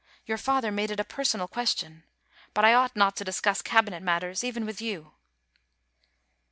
Your father made it a personal question. But I ought not to discuss Cabinet matters even with you.'